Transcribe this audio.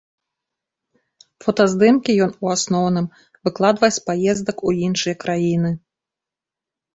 Фотаздымкі ён у асноўным выкладвае з паездак у іншыя краіны.